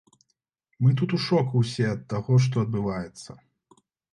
Мы тут у шоку ўсе ад таго, што адбываецца.